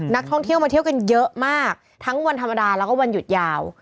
นักท่องเที่ยวมาเที่ยวกันเยอะมากทั้งวันธรรมดาแล้วก็วันหยุดยาว